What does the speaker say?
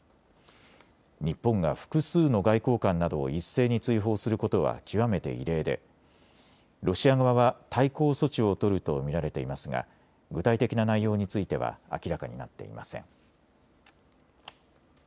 日本が複数の外交官などを一斉に追放することは極めて異例でロシア側は対抗措置を取ると見られていますが具体的な内容については、明らかになっていません。